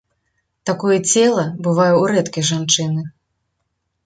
Такое цела бывае ў рэдкай жанчыны.